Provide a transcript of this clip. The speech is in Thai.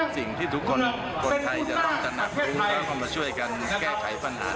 วันนี้ก็มาร่วมกิจกรรมด้วยนะครับทุกผู้ชมครับ